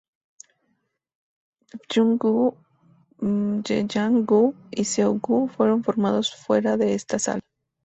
Bupyeong-gu, Gyeyang-gu y Seo-gu fueron formados fuera de esta sala.